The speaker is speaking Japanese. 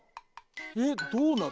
えっどうなる？